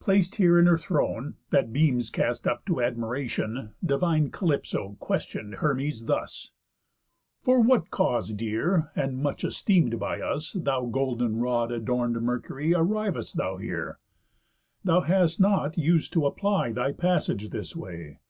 Plac'd here in her throne, That beams cast up to admiratión, Divine Calypso question'd Hermes thus: "For what cause, dear, and much esteem'd by us, Thou golden rod adorned Mercury, Arriv'st thou here? Thou hast not us'd t' apply Thy passage this way.